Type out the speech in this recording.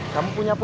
kamu punya pulpen